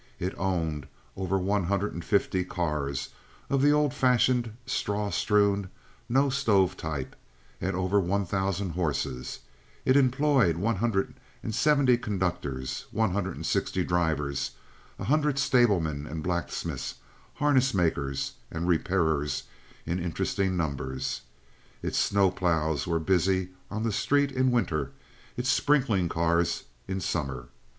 It owned over one hundred and fifty cars of the old fashioned, straw strewn, no stove type, and over one thousand horses; it employed one hundred and seventy conductors, one hundred and sixty drivers, a hundred stablemen, and blacksmiths, harness makers, and repairers in interesting numbers. Its snow plows were busy on the street in winter, its sprinkling cars in summer.